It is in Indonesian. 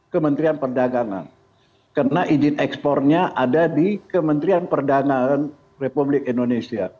karena izin ekspornya ada di kementerian perdagangan republik indonesia